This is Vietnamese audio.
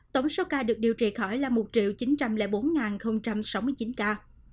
tổng số ca được điều trị khỏi là một chín trăm linh bốn sáu mươi chín ca